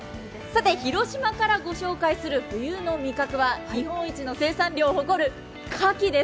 広島からご紹介する冬の味覚は日本一の生産量を誇るかきです。